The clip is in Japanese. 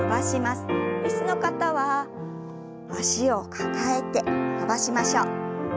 椅子の方は脚を抱えて伸ばしましょう。